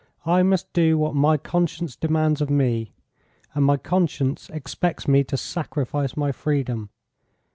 I must do what my conscience demands of me. And my conscience expects me to sacrifice my freedom.